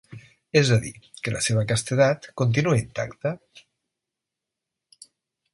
És a dir, que la seva castedat continua intacte.